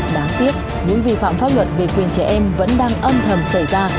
đáng tiếc những vi phạm pháp luật về quyền trẻ em vẫn đang âm thầm xảy ra